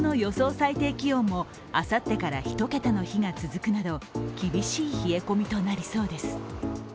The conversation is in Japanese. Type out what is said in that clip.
最低気温もあさってから１桁の日が続くなど厳しい冷え込みとなりそうです。